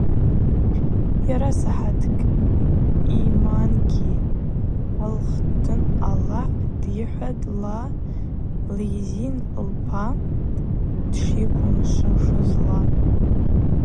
Йарасахӏаткӏ ъимангьи гӏалгхын Аллахӏ дйыхӏватӏ ла лъизин лпа йшйыквымшвушызла.